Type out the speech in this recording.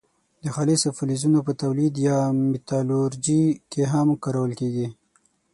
د خالصو فلزونو په تولید یا متالورجي کې هم کارول کیږي.